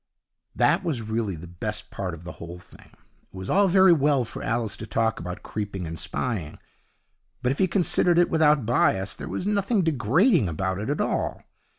That was really the best part of the whole thing. It was all very well for Alice to talk about creeping and spying, but, if you considered it without bias, there was nothing degrading about it at all.